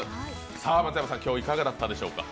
松山さん、今日いかがだったでしょうか。